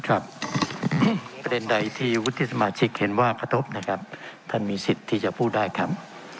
ประเด็นใดที่วุฒิสมาชิกเห็นว่ากระทบนะครับท่านมีสิทธิ์ที่จะพูดได้ครับ